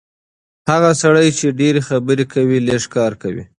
هغه سړی چې ډېرې خبرې کوي، لږ کار کوي.